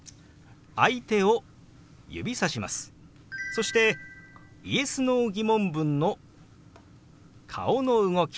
そしてＹｅｓ／Ｎｏー疑問文の顔の動き